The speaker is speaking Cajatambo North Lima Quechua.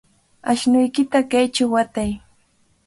Ashnuykita kaychaw watay.